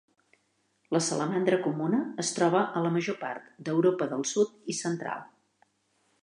La salamandra comuna es troba a la major part d'Europa del sud i central.